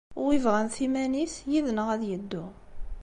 Wi bɣan timanit yid-neɣ ad yeddu!